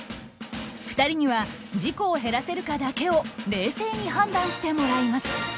２人には事故を減らせるかだけを冷静に判断してもらいます。